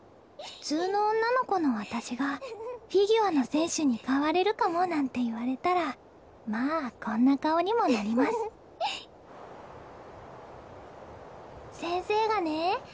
普通の女の子の私がフィギュアの選手に変われるかもなんて言われたらまぁこんな顔にもなります先生がね